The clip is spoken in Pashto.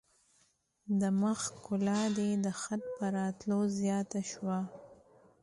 د مخ ښکلا دي د خط په راتلو زیاته شوه.